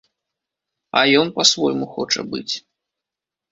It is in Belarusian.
А ён па-свойму хоча быць.